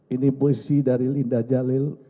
ini puisi dari linda jalil